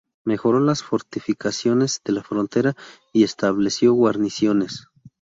Mejoró las fortificaciones de la frontera y estableció guarniciones.